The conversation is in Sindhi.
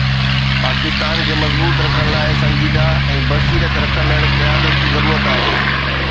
پاڪستان کي مضبوط ڪرڻ لاءِ سنجيده ۽ بصيرت رکندڙ قيادت جي ضرورت آهي.